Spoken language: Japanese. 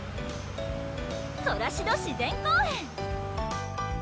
ソラシド自然公園！